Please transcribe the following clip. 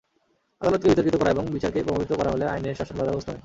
আদালতকে বিতর্কিত করা এবং বিচারকে প্রভাবিত করা হলে আইনের শাসন বাধাগ্রস্ত হয়।